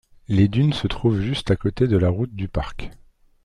Les dunes se trouvent juste à côté de la route du parc.